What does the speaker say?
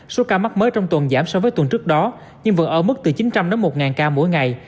số ca mắc mới trong tuần giảm so với tuần trước đó nhưng vẫn ở mức từ chín trăm linh đến một ca mỗi ngày